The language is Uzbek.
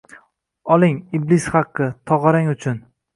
Oling, iblis haqqi, tog`arangiz uchun